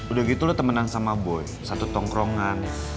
udah gitu lo temenan sama boy satu tongkrongan